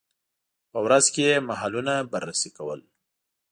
په ورځ کې یې محلونه بررسي کول.